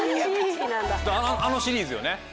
あのシリーズよね。